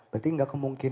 berarti enggak kemungkinan